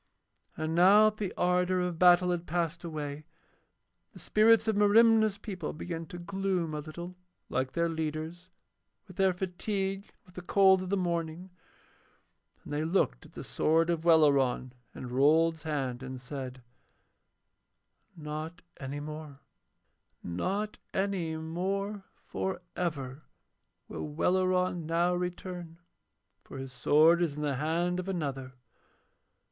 And now that the ardour of battle had passed away, the spirits of Merimna's people began to gloom a little, like their leader's, with their fatigue and with the cold of the morning; and they looked at the sword of Welleran in Rold's hand and said: 'Not any more, not any more for ever will Welleran now return, for his sword is in the hand of another.